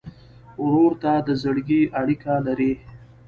ورور ته د زړګي اړیکه لرې.